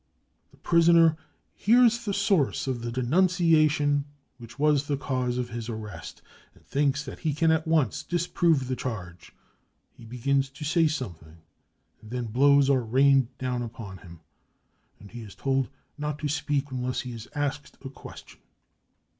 The prisoner hears the source of the denunciation which was the cause of his arrest, and thinks that he can at once disprove the charge ; he begins to say something, and then I * blows are rained down on him, and he is told not to speak unless he is asked a question.